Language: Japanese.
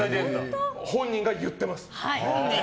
本人がが言っています！